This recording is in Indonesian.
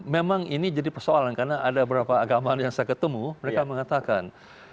memang ini jadi persoalan karena ada beberapa agama yang saya ketemu mereka mengatakan